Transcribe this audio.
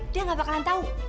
dia gak bakalan tau